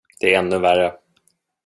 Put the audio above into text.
Det är ännu värre.